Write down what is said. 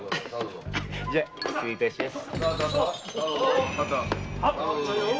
じゃ失礼いたします。